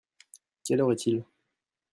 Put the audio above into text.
Quelle heure est-il ?